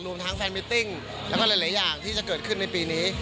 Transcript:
ทั้งแฟนมิตติ้งแล้วก็หลายอย่างที่จะเกิดขึ้นในปีนี้